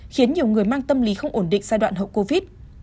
khiến nhiều người mang tâm lý không ổn định giai đoạn hậu covid